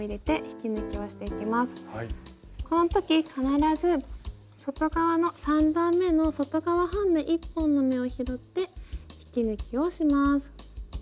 この時必ず外側の３段めの外側半目１本の目を拾って引き抜きをします。